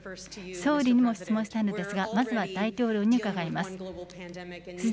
総理にも質問したいのですが、まずは大統領に伺います。